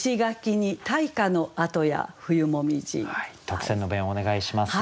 特選の弁をお願いします。